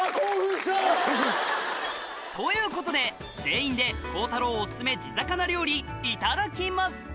ということで全員で孝太郎お薦め地魚料理いただきます